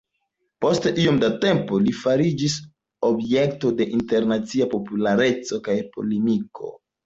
Post iom da tempo li fariĝis objekto de internacia populareco kaj polemiko.